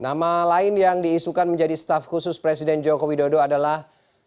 nama lain yang diisukan menjadi staff khusus presiden joko widodo adalah